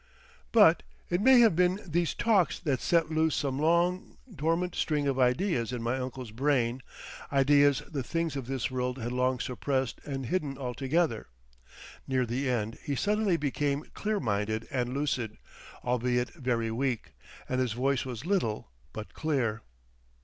But it may have been these talks that set loose some long dormant string of ideas in my uncle's brain, ideas the things of this world had long suppressed and hidden altogether. Near the end he suddenly became clearminded and lucid, albeit very weak, and his voice was little, but clear.